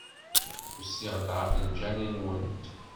Usiɣ-d ɣef lǧal-nwent.